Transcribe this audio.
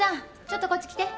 ちょっとこっち来て。